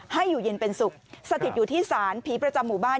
ให้อยู่เย็นเป็นสุขสถิตอยู่ที่ศาลผีประจำหมู่บ้าน